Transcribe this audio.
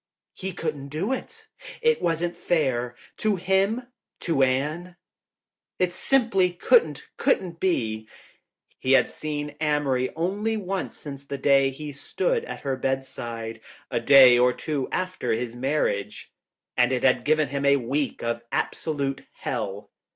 He couldn't do it. It wasn't fair. To him —to Anne. It simply couldn't, couldn't be. He had seen Amory only once since the day he stood at her bedside. A day or two after his marriage. And it had given him a week of absolute hell.